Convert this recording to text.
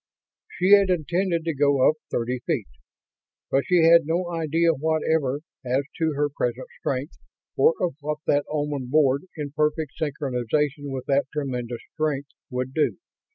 She had intended to go up thirty feet. But she had no idea whatever as to her present strength, or of what that Oman board, in perfect synchronization with that tremendous strength, would do.